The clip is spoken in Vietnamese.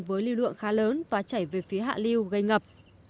với lưu lượng khá lớn và chảy về phía hạ liêu gây ngập